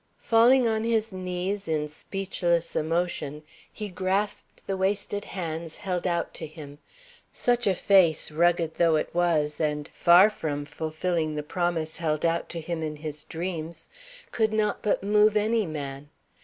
Falling on his knees in speechless emotion, he grasped the wasted hands held out to him. Such a face, rugged though it was and far from fulfilling the promise held out to him in his dreams, could not but move any man.